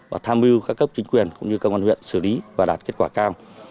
và tham mưu các cấp chính quyền cũng như công an huyện xử lý và đạt kết quả cao